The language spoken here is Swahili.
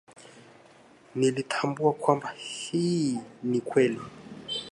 Nilitambua kwamba hii ni kweli